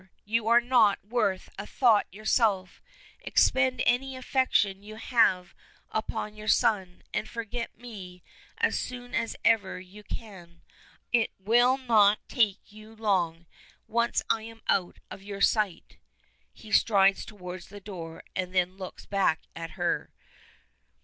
you are not worth a thought yourself. Expend any affection you have upon your son, and forget me as soon as ever you can. It will not take you long, once I am out of your sight!" He strides towards the door, and then looks back at her.